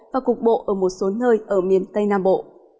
và cục bộ ở một số nơi ở miền tây nam bộ